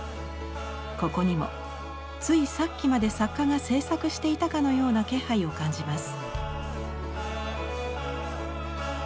ここにもついさっきまで作家が制作していたかのような気配を感じます。